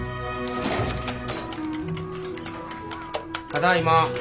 ただいま。